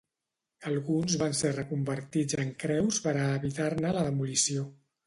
Alguns van ser reconvertits en creus per a evitar-ne la demolició.